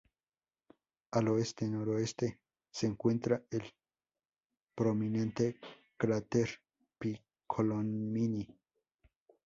Al oeste-noroeste se encuentra el prominente cráter Piccolomini.